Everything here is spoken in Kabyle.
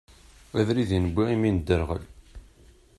Abrid newwi imi nedderɣel.